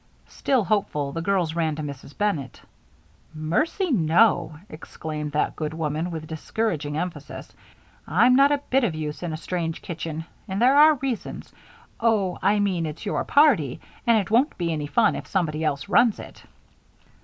Still hopeful, the girls ran to Mrs. Bennett. "Mercy, no!" exclaimed that good woman, with discouraging emphasis. "I'm not a bit of use in a strange kitchen, and there are reasons Oh! I mean it's your party and it won't be any fun if somebody else runs it."